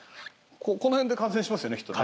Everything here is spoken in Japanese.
この辺で感電しますよね人はね。